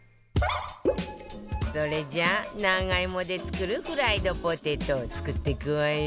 それじゃ長芋で作るフライドポテト作っていくわよ